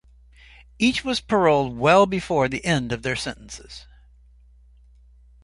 Each was paroled well before the end of their sentences.